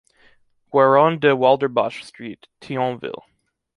Guérin de Waldersbach Street, Thionville